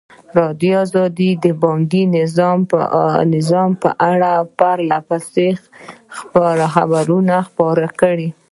ازادي راډیو د بانکي نظام په اړه پرله پسې خبرونه خپاره کړي.